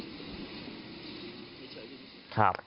ครับ